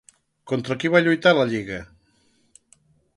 Contra qui va lluitar la lliga?